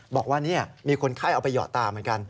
บอกว่ามีคนไข้เอาไปหยอดตาเหมือนกัน